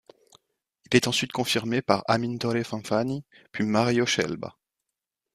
Il est ensuite confirmé par Amintore Fanfani, puis Mario Scelba.